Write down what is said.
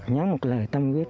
nhớ một lời tâm quyết